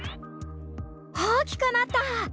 大きくなった！